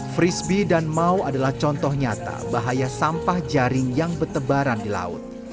frisbee dan mau adalah contoh nyata bahaya sampah jaring yang bertebaran di laut